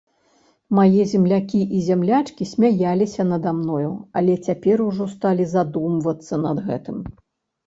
Мае землякі і зямлячкі смяяліся нада мною, але цяпер ужо сталі задумвацца над гэтым.